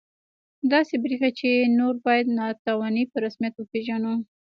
داسې بریښي چې نور باید ناتواني په رسمیت وپېژنو